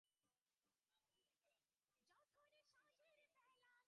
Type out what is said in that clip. নাম ও রূপের দ্বারা বস্তুর যাবতীয় পার্থক্য হয়।